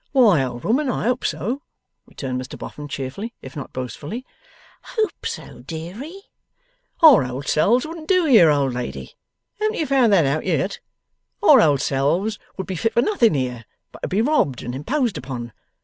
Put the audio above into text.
'Why, old woman, I hope so,' returned Mr Boffin, cheerfully, if not boastfully. 'Hope so, deary?' 'Our old selves wouldn't do here, old lady. Haven't you found that out yet? Our old selves would be fit for nothing here but to be robbed and imposed upon.